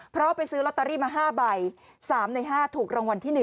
เพราะไปซื้อลอตเตอรี่มา๕ใบ๓ใน๕ถูกรางวัลที่๑